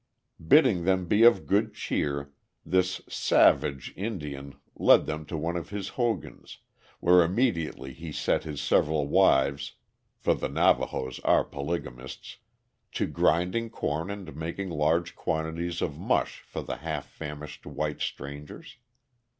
Bidding them be of good cheer, this savage Indian led them to one of his hogans, where immediately he set his several wives (for the Navahos are polygamists) to grinding corn and making large quantities of mush for the half famished white strangers.